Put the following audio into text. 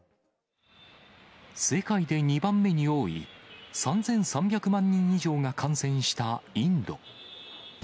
世界で２番目に多い、３３００万人以上が感染したインド。